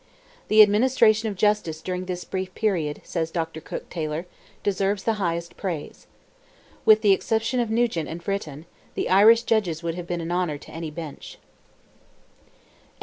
"The administration of justice during this brief period," says Dr. Cooke Taylor, "deserves the highest praise. With the exception of Nugent and Fritton, the Irish judges would have been an honour to any bench." CHAPTER VI.